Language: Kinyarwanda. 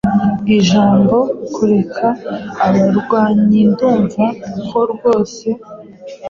Ijambo-kureka abarwanyindumva ko rwose